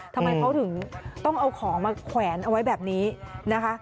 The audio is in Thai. ทำไมเขาถึงต้องเอาของมาแขวนเอาไว้แบบนี้นะคะ